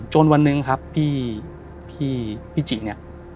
วันหนึ่งครับพี่จิเนี่ย